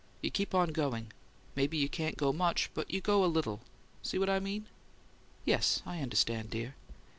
You keep on going maybe you can't go much, but you do go a little. See what I mean?" "Yes. I understand, dear."